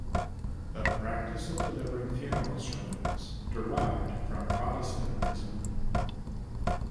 The practice of delivering funeral sermons derived from Protestantism.